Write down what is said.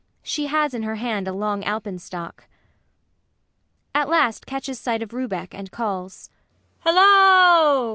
She has in her hand a long alpenstock. MAIA. [At last catches sight of RUBEK and calls.] Hallo!